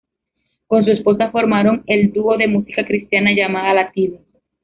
Con su esposa, formaron el dúo de música cristiana llamado Latidos.